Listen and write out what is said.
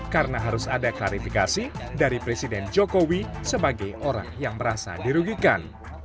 karena harus ada klarifikasi dari presiden jokowi sebagai orang yang merasa dirugikan